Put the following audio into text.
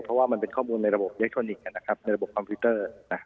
เพราะว่ามันเป็นข้อมูลในระบบอิเล็กทรอนิกส์ในระบบคอมพิวเตอร์